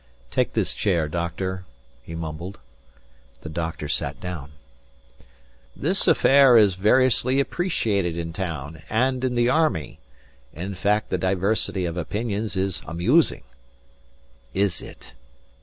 "Take this chair, doctor," he mumbled. The doctor sat down. "This affair is variously appreciated in town and in the army. In fact the diversity of opinions is amusing." "Is it?"